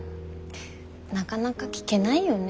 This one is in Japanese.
なかなか聞けないよね